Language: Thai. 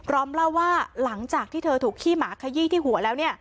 อมเล่าว่าหลังจากที่เธอถูกขี้หมาขยี้ที่หัวแล้ว